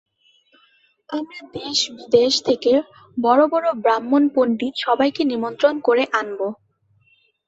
আমরা দেশ বিদেশ থেকে বড়ো বড়ো ব্রাহ্মণ পণ্ডিত সবাইকে নিমন্ত্রণ করে আনব।